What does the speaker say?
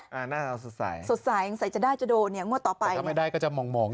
น่าจะสดใสสดใสอย่างใสจะได้จะโดนเนี่ยง่วงต่อไปแต่ถ้าไม่ได้ก็จะหมองหน่อย